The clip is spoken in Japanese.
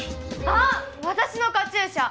あっ私のカチューシャ！